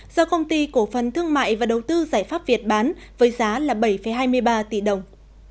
do công ty cổ phần thương mại và đầu tư giải pháp việt bán với giá là bảy hai mươi ba tỷ đồng